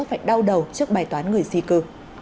nó lại đau đầu trước bài toán người di cư